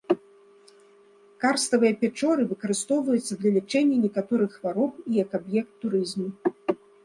Карставыя пячоры выкарыстоўваюцца для лячэння некаторых хвароб і як аб'екты турызму.